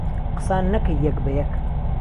قسان نهکهی یهک به یهک